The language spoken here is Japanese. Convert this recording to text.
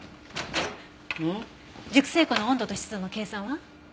熟成庫の温度と湿度の計算は？